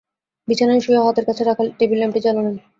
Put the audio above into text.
বিছানায় শুয়ে হাতের কাছে রাখা টেবিল ল্যাম্প জ্বালালেন।